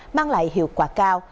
mang lại hiệu quả cao